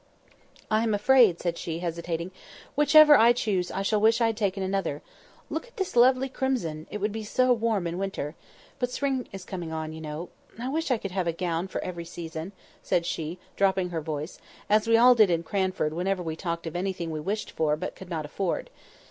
"I am afraid," said she, hesitating, "Whichever I choose I shall wish I had taken another. Look at this lovely crimson! it would be so warm in winter. But spring is coming on, you know. I wish I could have a gown for every season," said she, dropping her voice—as we all did in Cranford whenever we talked of anything we wished for but could not afford.